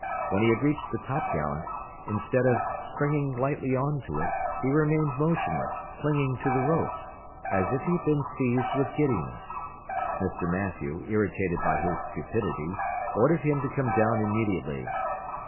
When he had reached the topgallant, instead of springing lightly on to it, he remained motionless, clinging to the ropes, as if he had been seized with giddiness. Mr. Mathew, irritated by his stupidity, ordered him to come down immediately.